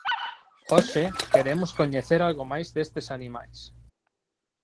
Hoxe queremos coñecer algo máis destes animais.